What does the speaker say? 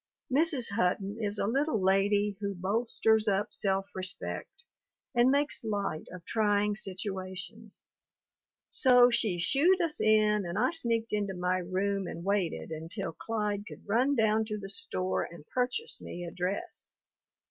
Mrs. Hutton is a little lady who bolsters up self respect and makes light of trying situations, so she "shooed" us in and I sneaked into my room and waited until Clyde could run down to the store and purchase me a dress.